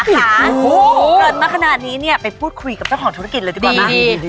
เกิดมาขนาดนี้เนี่ยไปพูดคุยกับเจ้าของธุรกิจเลยจะดีไหม